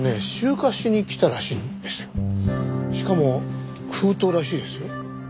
しかも封筒らしいですよ。